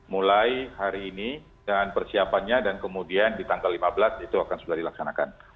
mulai hari ini dan persiapannya dan kemudian di tanggal lima belas itu akan sudah dilaksanakan